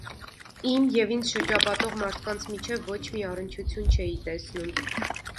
Իմ և ինձ շրջապատող մարդկանց միջև ոչ մի առնչություն չէի տեսնում: